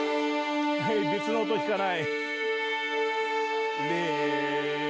別の音弾かない！